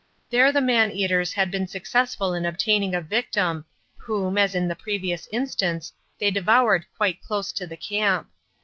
There the man eaters had been successful in obtaining a victim, whom, as in the previous instance, they devoured quite close to the camp.